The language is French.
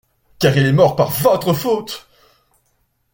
Car il est mort par votre faute.